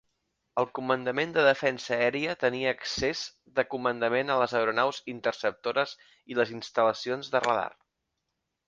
El Comandament de Defensa aèria tenia accés de comandament a les aeronaus interceptores i les instal·lacions de radar.